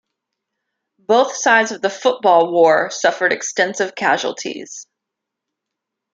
Both sides of the Football War suffered extensive casualties.